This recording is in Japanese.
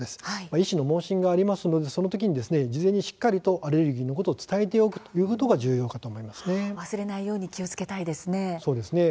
医師の問診がありますのでそのときに事前にしっかりとアレルギーのことを伝えておくと忘れないようにそうですね。